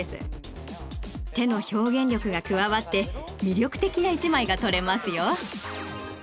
手の表現力が加わって魅力的な１枚が撮れますよ。